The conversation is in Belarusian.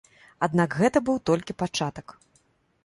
Аднак гэта быў толькі пачатак.